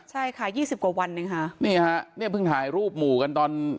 ใช่ค่ะยี่สิบกว่าวันหนึ่งค่ะนี่ฮะเนี่ยเพิ่งถ่ายรูปหมู่กันตอน